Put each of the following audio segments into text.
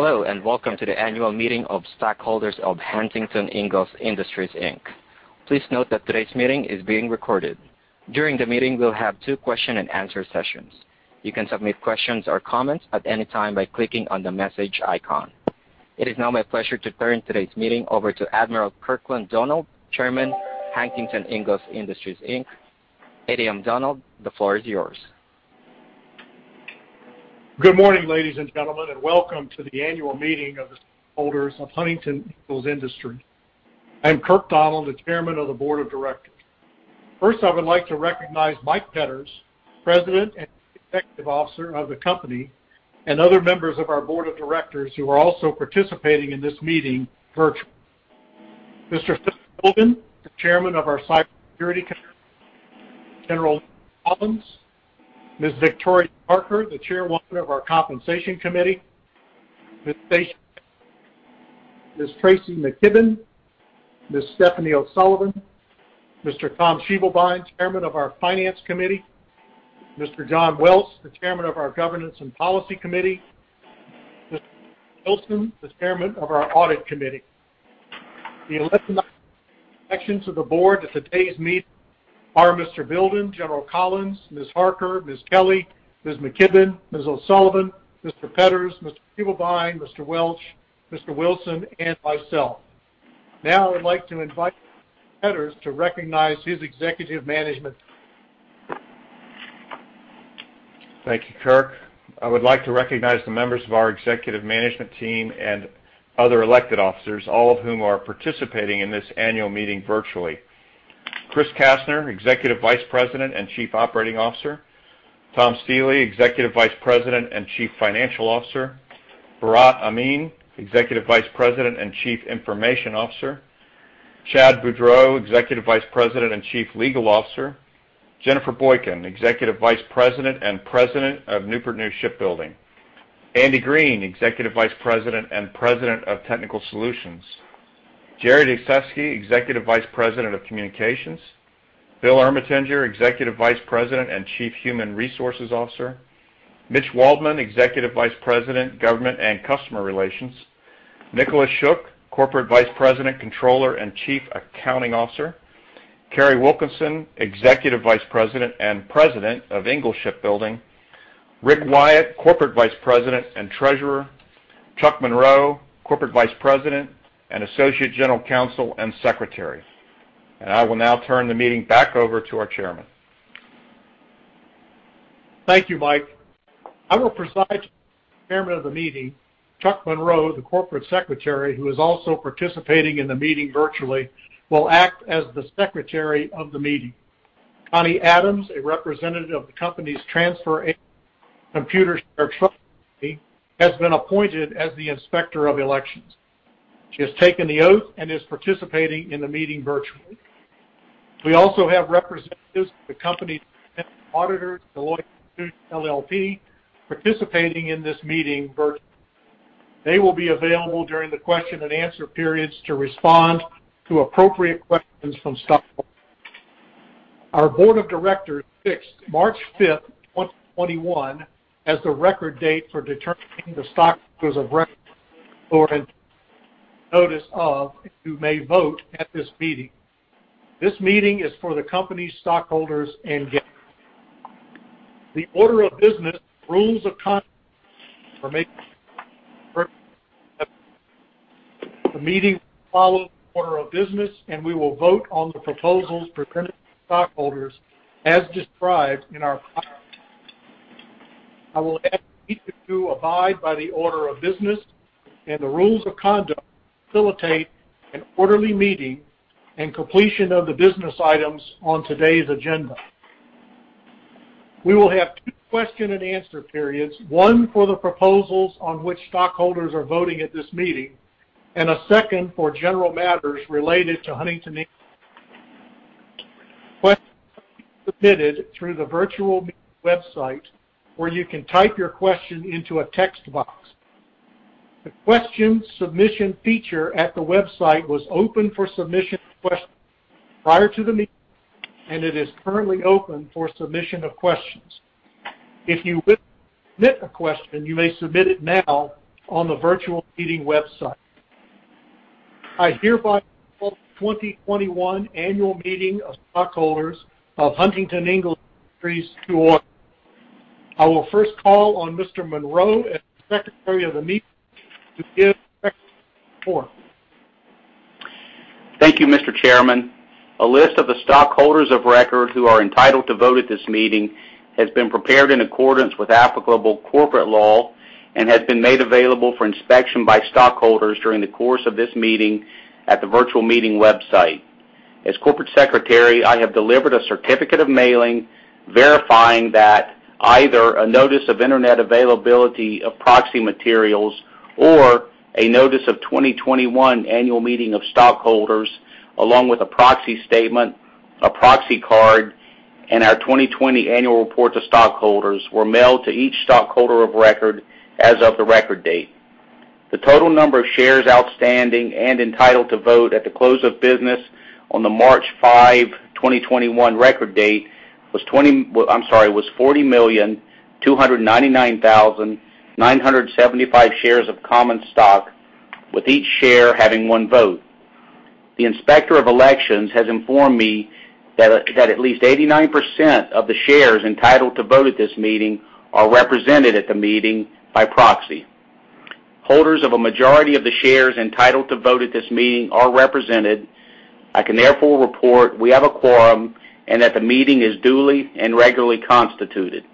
Hello, and welcome to the annual meeting of stakeholders of Huntington Ingalls Industries, Inc. Please note that today's meeting is being recorded. During the meeting, we'll have two question-and-answer sessions. You can submit questions or comments at any time by clicking on the message icon. It is now my pleasure to turn today's meeting over to Admiral Kirkland Donald, Chairman Huntington Ingalls Industries, Inc. Admiral Donald, the floor is yours. Good morning, ladies and gentlemen, and welcome to the annual meeting of the stakeholders of Huntington Ingalls Industries. I'm Kirk Donald, the Chairman of the Board of Directors. First, I would like to recognize Mike Petters, President and Chief Executive Officer of the company, and other members of our Board of Directors who are also participating in this meeting virtually. Mr. Philip Bilden, the Chairman of our Cybersecurity Committee. General Leon Collins. Ms. Victoria Harker, the Chairwoman of our Compensation Committee. Ms. Tracy McKibben. Ms. Stephanie O'Sullivan. Mr. Tom Schievelbein, Chairman of our Finance Committee. Mr. John K. Welch, the Chairman of our Governance and Policy Committee. Mr. Stephen R. Wilson, the Chairman of our Audit Committee. The 11 elections to the Board at today's meeting are Mr. Bilden, General Collins, Ms. Harker, Ms. Kelly, Ms. McKibben, Ms. O'Sullivan, Mr. Petters, Mr. Schievelbein, Mr. Welch, Mr. Wilson, and myself. Now, I would like to invite Mr. Petters to recognize his executive management. Thank you, Kirk. I would like to recognize the members of our executive management team and other elected officers, all of whom are participating in this annual meeting virtually: Chris Kastner, Executive Vice President and Chief Operating Officer. Tom Stiehle, Executive Vice President and Chief Financial Officer. Bharat Amin, Executive Vice President and Chief Information Officer. Chad Boudreaux, Executive Vice President and Chief Legal Officer. Jennifer Boykin, Executive Vice President and President of Newport News Shipbuilding. Andy Green, Executive Vice President and President of Technical Solutions. Jerri Dickseski, Executive Vice President of Communications. Bill Ermatinger, Executive Vice President and Chief Human Resources Officer. Mitch Waldman, Executive Vice President, Government and Customer Relations. Nicolas Schuck, Corporate Vice President, Controller, and Chief Accounting Officer. Kari Wilkinson, Executive Vice President and President of Ingalls Shipbuilding. Rick Wyatt, Corporate Vice President and Treasurer. Chuck Monroe, Corporate Vice President, Associate General Counsel, and Secretary. I will now turn the meeting back over to our Chairman. Thank you, Mike. I will preside over the meeting. Chuck Monroe, the Corporate Secretary, who is also participating in the meeting virtually, will act as the Secretary of the meeting. Connie Adams, a representative of the company's Computershare Trust Company, has been appointed as the Inspector of Elections. She has taken the oath and is participating in the meeting virtually. We also have representatives of the company's auditors, Deloitte & Touche LLP, participating in this meeting virtually. They will be available during the question-and-answer periods to respond to appropriate questions from stakeholders. Our Board of Directors fixed March 5th, 2021, as the record date for determining the stockholders of record entitled to notice of who may vote at this meeting. This meeting is for the company's stockholders and guests. The order of business and rules of conduct are that the meeting will follow the order of business, and we will vote on the proposals presented to stockholders as described in our prior meeting. I will ask each of you to abide by the order of business and the rules of conduct to facilitate an orderly meeting and completion of the business items on today's agenda. We will have two question-and-answer periods, one for the proposals on which stockholders are voting at this meeting and a second for general matters related to Huntington Ingalls Industries. Questions are submitted through the virtual meeting website, where you can type your question into a text box. The question submission feature at the website was open for submission of questions prior to the meeting, and it is currently open for submission of questions. If you wish to submit a question, you may submit it now on the virtual meeting website. I hereby call the 2021 annual meeting of stockholders of Huntington Ingalls Industries to order. I will first call on Mr. Monroe as the Secretary of the meeting to give a record report. Thank you, Mr. Chairman. A list of the stockholders of record who are entitled to vote at this meeting has been prepared in accordance with applicable corporate law and has been made available for inspection by stockholders during the course of this meeting at the virtual meeting website. As Corporate Secretary, I have delivered a certificate of mailing verifying that either a notice of internet availability of proxy materials or a notice of 2021 annual meeting of stockholders, along with a proxy statement, a proxy card, and our 2020 annual report to stockholders, were mailed to each stockholder of record as of the record date. The total number of shares outstanding and entitled to vote at the close of business on the March 5, 2021, record date was 40,299,975 shares of common stock, with each share having one vote. The Inspector of Elections has informed me that at least 89% of the shares entitled to vote at this meeting are represented at the meeting by proxy. Holders of a majority of the shares entitled to vote at this meeting are represented. I can therefore report we have a quorum and that the meeting is duly and regularly constituted.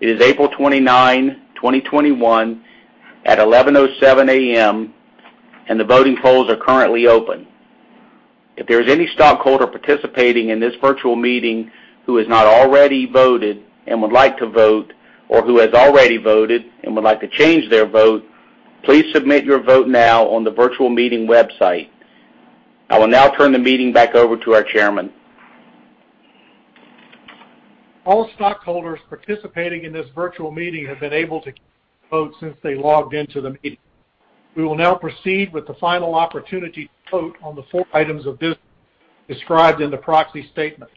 It is April 29, 2021, at 11:07 A.M., and the voting polls are currently open. If there is any stockholder participating in this virtual meeting who has not already voted and would like to vote, or who has already voted and would like to change their vote, please submit your vote now on the virtual meeting website. I will now turn the meeting back over to our Chairman. All stockholders participating in this virtual meeting have been able to vote since they logged into the meeting. We will now proceed with the final opportunity to vote on the four items of business described in the proxy statement.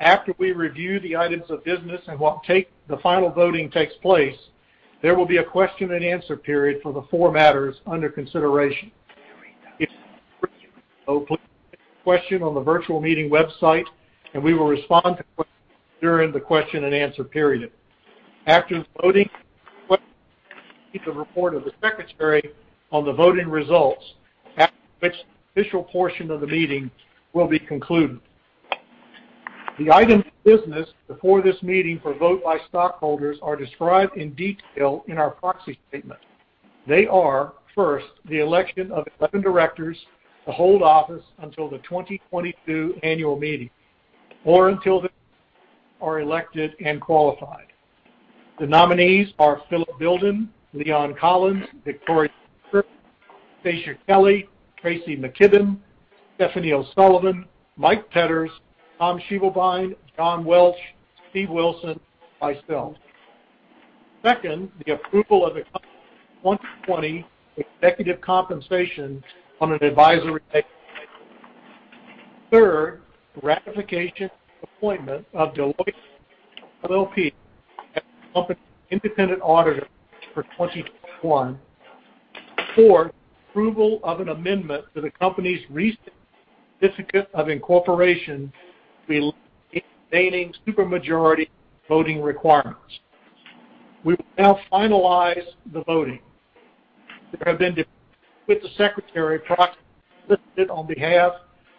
After we review the items of business and the final voting takes place, there will be a question-and-answer period for the four matters under consideration. If you have a question on the virtual meeting website, we will respond to the question during the question-and-answer period. After the voting, the report of the Secretary on the voting results. After which the official portion of the meeting will be concluded. The items of business before this meeting for vote by stockholders are described in detail in our proxy statement. They are, first, the election of 11 directors to hold office until the 2022 annual meeting, or until they are elected and qualified. The nominees are Philip Bilden, Leon Collins, Victoria Harker, Anastasia Kelly, Tracy McKibben, Stephanie O'Sullivan, Mike Petters, Tom Schievelbein, John Welch, Steve Wilson, and myself. Second, the approval of the 2020 executive compensation on an advisory basis. Third, ratification and appointment of Deloitte LLP as the company's independent auditor for 2021. Fourth, approval of an amendment to the company's Restated Certificate of Incorporation relating to the remaining supermajority voting requirements. We will now finalize the voting. There have been delivered to the Secretary proxies solicited on behalf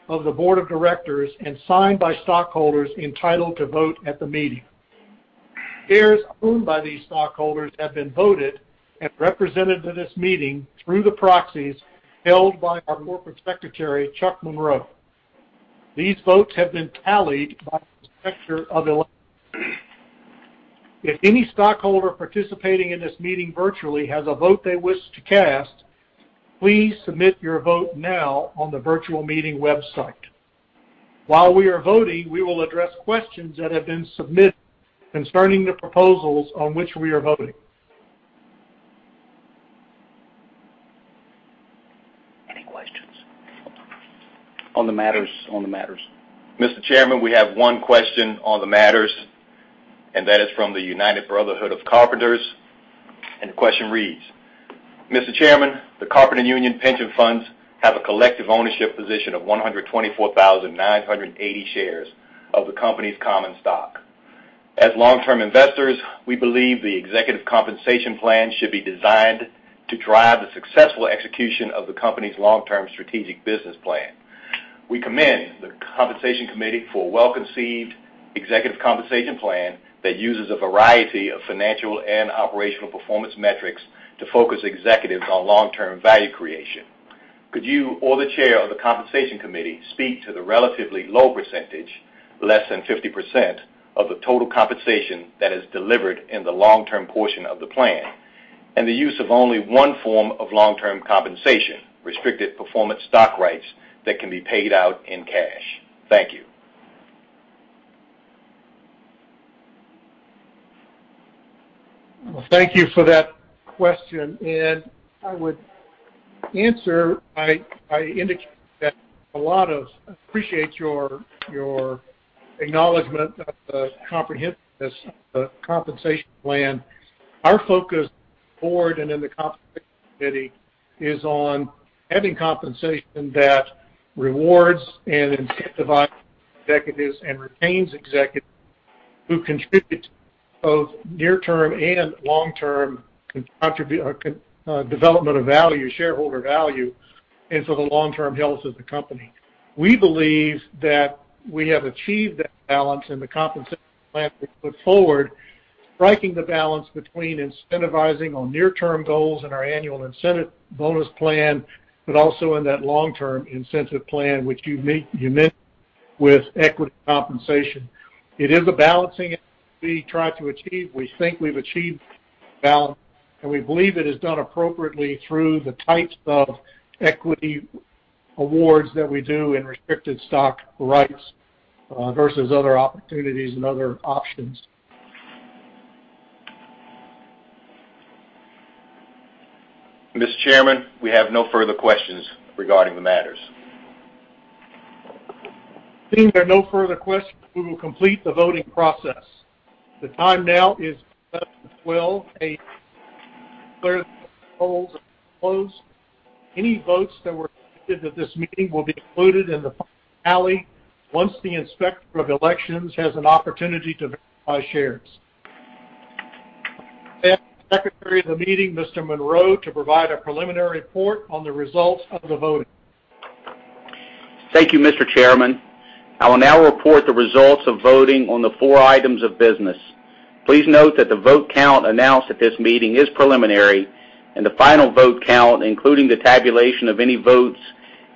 of the Board of Directors and signed by stockholders entitled to vote at the meeting. Shares owned by these stockholders have been voted and represented to this meeting through the proxies held by our Corporate Secretary, Chuck Monroe. These votes have been tallied by the Inspector of Elections. If any stockholder participating in this meeting virtually has a vote they wish to cast, please submit your vote now on the virtual meeting website. While we are voting, we will address questions that have been submitted concerning the proposals on which we are voting. Any questions? On the matters. Mr. Chairman, we have one question on the matters, and that is from the United Brotherhood of Carpenters. And the question reads, "Mr. Chairman, the Carpenters Union Pension Funds have a collective ownership position of 124,980 shares of the company's common stock. As long-term investors, we believe the executive compensation plan should be designed to drive the successful execution of the company's long-term strategic business plan. We commend the Compensation Committee for a well-conceived executive compensation plan that uses a variety of financial and operational performance metrics to focus executives on long-term value creation. Could you, or the Chair of the Compensation Committee, speak to the relatively low percentage, less than 50%, of the total compensation that is delivered in the long-term portion of the plan, and the use of only one form of long-term compensation, Restricted Performance Stock Rights that can be paid out in cash? Thank you." Thank you for that question. And I would answer, I appreciate your acknowledgment of the comprehensiveness of the compensation plan. Our focus on the Board and in the Compensation Committee is on having compensation that rewards and incentivizes executives and retains executives who contribute to both near-term and long-term development of value, shareholder value, and for the long-term health of the company. We believe that we have achieved that balance in the compensation plan we put forward, striking the balance between incentivizing on near-term goals in our annual incentive bonus plan, but also in that long-term incentive plan, which you mentioned, with equity compensation. It is a balancing that we try to achieve. We think we've achieved a balance, and we believe it is done appropriately through the types of equity awards that we do in restricted stock rights versus other opportunities and other options. Mr. Chairman, we have no further questions regarding the matters. Seeing there are no further questions, we will complete the voting process. The time now is 11:12 A.M. I declare that the rolls are closed. Any votes that were submitted at this meeting will be included in the final tally once the Inspector of Elections has an opportunity to verify shares. I ask the Secretary of the meeting, Mr. Monroe, to provide a preliminary report on the results of the voting. Thank you, Mr. Chairman. I will now report the results of voting on the four items of business. Please note that the vote count announced at this meeting is preliminary, and the final vote count, including the tabulation of any votes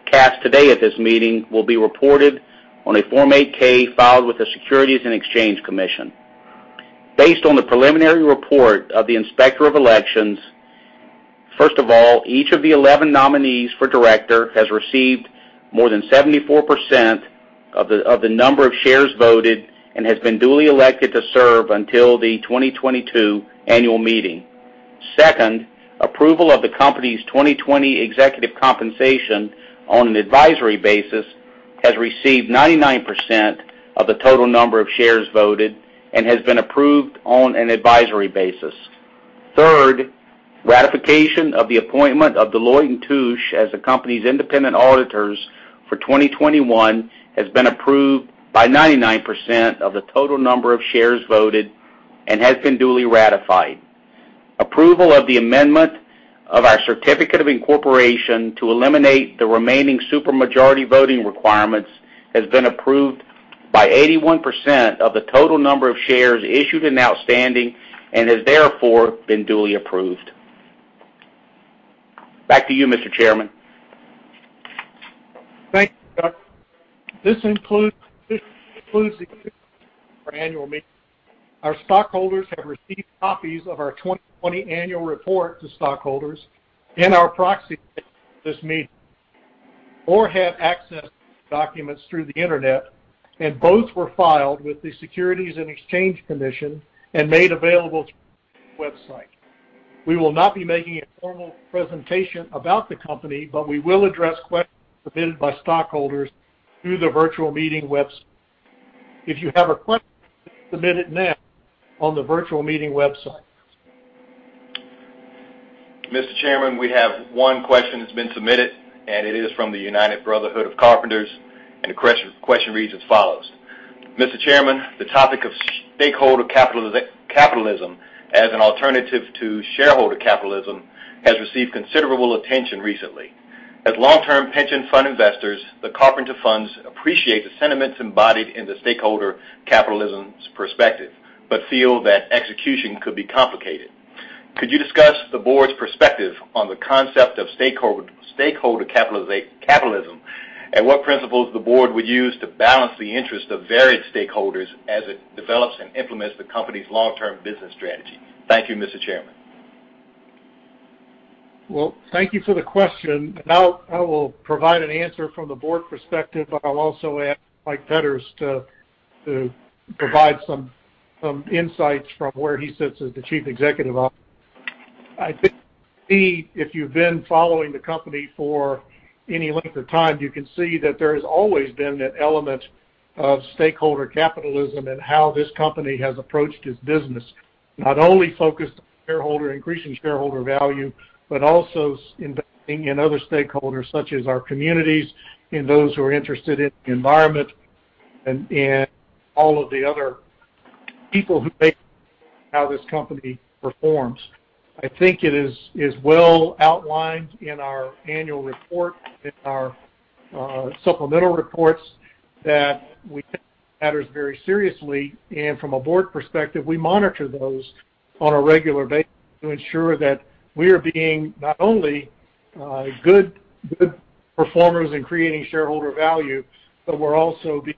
cast today at this meeting, will be reported on a Form 8-K filed with the Securities and Exchange Commission. Based on the preliminary report of the Inspector of Elections, first of all, each of the 11 nominees for director has received more than 74% of the number of shares voted and has been duly elected to serve until the 2022 annual meeting. Second, approval of the company's 2020 executive compensation on an advisory basis has received 99% of the total number of shares voted and has been approved on an advisory basis. Third, ratification of the appointment of Deloitte & Touche as the company's independent auditors for 2021 has been approved by 99% of the total number of shares voted and has been duly ratified. Approval of the amendment of our certificate of incorporation to eliminate the remaining supermajority voting requirements has been approved by 81% of the total number of shares issued and outstanding and has therefore been duly approved. Back to you, Mr. Chairman. Thank you, Chuck. This concludes our annual meeting. Our stockholders have received copies of our 2020 annual report to stockholders and our proxies at this meeting, or have access to documents through the internet, and both were filed with the Securities and Exchange Commission and made available through the website. We will not be making a formal presentation about the company, but we will address questions submitted by stockholders through the virtual meeting website. If you have a question, please submit it now on the virtual meeting website. Mr. Chairman, we have one question that's been submitted, and it is from the United Brotherhood of Carpenters, and the question reads as follows: "Mr. Chairman, the topic of stakeholder capitalism as an alternative to shareholder capitalism has received considerable attention recently. As long-term pension fund investors, the Carpenter Funds appreciate the sentiments embodied in the stakeholder capitalism's perspective, but feel that execution could be complicated. Could you discuss the Board's perspective on the concept of stakeholder capitalism and what principles the Board would use to balance the interests of varied stakeholders as it develops and implements the company's long-term business strategy?" Thank you, Mr. Chairman. Thank you for the question. I will provide an answer from the Board perspective, but I'll also ask Mike Petters to provide some insights from where he sits as the Chief Executive Officer. I think if you've been following the company for any length of time, you can see that there has always been an element of stakeholder capitalism in how this company has approached its business, not only focused on increasing shareholder value, but also investing in other stakeholders, such as our communities, in those who are interested in the environment, and all of the other people who may be interested in how this company performs. I think it is well outlined in our annual report and our supplemental reports that we take these matters very seriously, and from a Board perspective, we monitor those on a regular basis to ensure that we are being not only good performers in creating shareholder value, but we're also being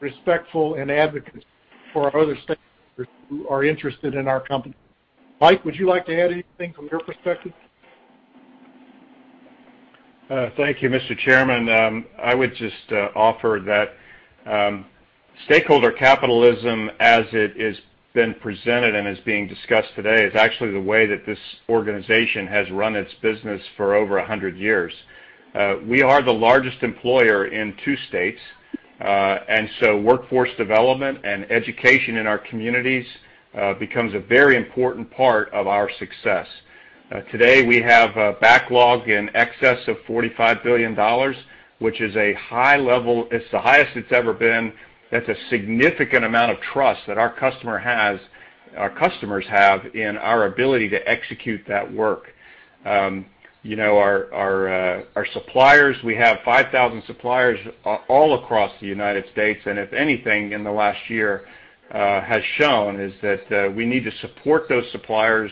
respectful and advocates for our other stakeholders who are interested in our company. Mike, would you like to add anything from your perspective? Thank you, Mr. Chairman. I would just offer that stakeholder capitalism, as it has been presented and is being discussed today, is actually the way that this organization has run its business for over 100 years. We are the largest employer in two states, and so workforce development and education in our communities becomes a very important part of our success. Today, we have a backlog in excess of $45 billion, which is a high level. It's the highest it's ever been. That's a significant amount of trust that our customers have in our ability to execute that work. Our suppliers, we have 5,000 suppliers all across the United States, and if anything, in the last year, has shown is that we need to support those suppliers.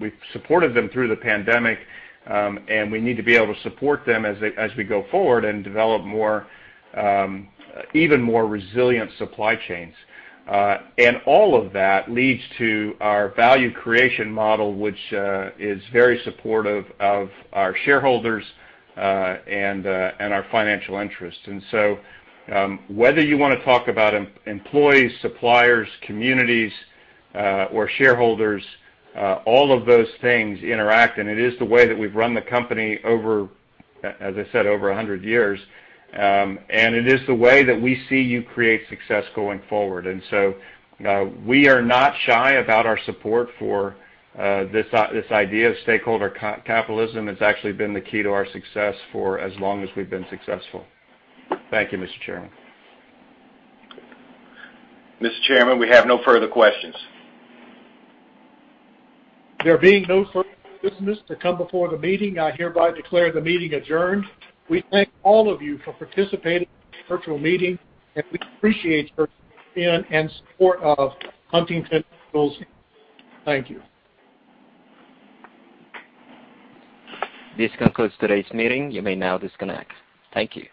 We've supported them through the pandemic, and we need to be able to support them as we go forward and develop even more resilient supply chains. And all of that leads to our value creation model, which is very supportive of our shareholders and our financial interests. And so whether you want to talk about employees, suppliers, communities, or shareholders, all of those things interact, and it is the way that we've run the company over, as I said, over 100 years, and it is the way that we see you create success going forward. And so we are not shy about our support for this idea of stakeholder capitalism. It's actually been the key to our success for as long as we've been successful. Thank you, Mr. Chairman. Mr. Chairman, we have no further questions. There being no further business to come before the meeting, I hereby declare the meeting adjourned. We thank all of you for participating in this virtual meeting, and we appreciate your opinion and support of Huntington Ingalls Industries. Thank you. This concludes today's meeting. You may now disconnect. Thank you.